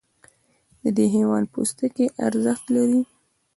د دې حیوان پوستکی ارزښت لري.